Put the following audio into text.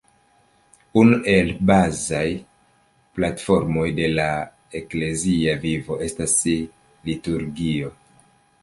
Unu el bazaj platformoj de la eklezia vivo estas liturgio.